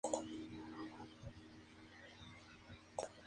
Destaca el retablo, de estilo gótico.